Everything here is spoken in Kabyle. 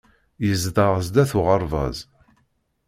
Yezdeɣ sdat uɣerbaz.